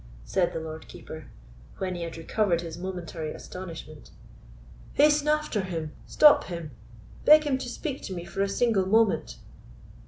said the Lord Keeper, when he had recovered his momentary astonishment. "Hasten after him—stop him—beg him to speak to me for a single moment."